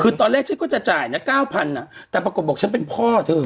คือตอนแรกฉันก็จะจ่ายนะ๙๐๐บาทแต่ปรากฏบอกฉันเป็นพ่อเธอ